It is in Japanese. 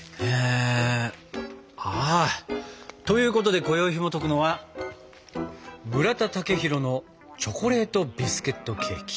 ああ！ということでこよいひもとくのは村田雄浩のチョコレートビスケットケーキ。